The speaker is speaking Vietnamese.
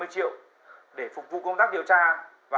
điều quan trọng đây là